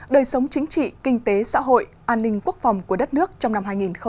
đời sống chính trị kinh tế xã hội an ninh quốc phòng của đất nước trong năm hai nghìn hai mươi